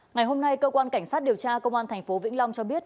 ngày hôm nay cơ quan cảnh sát điều tra công an thành phố vĩnh long cho biết